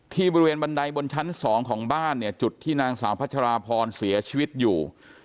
ที่บริเวณบันไดบนชั้น๒ของบ้านเนี่ยจุดที่นางสาวพัชราพรเสียชีวิตอยู่